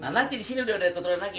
nah nanti disini udah ada keturunan lagi